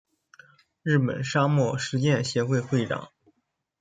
日本沙漠实践协会会长。